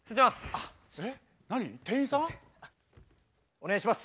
お願いします。